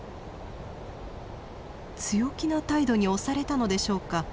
強気な態度に押されたのでしょうか。